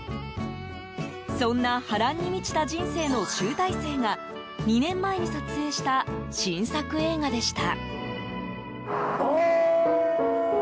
そんな波乱に満ちた人生の集大成が２年前に撮影した新作映画でした。